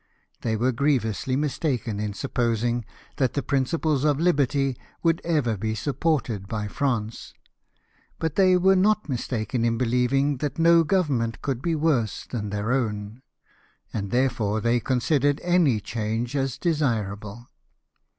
They were grievously mistaken in sup posing that the principles of liberty would ever be supported by France, but they were not mistaken in believing that no Government could be worse than their own ; and therefore they considered any change as desirable.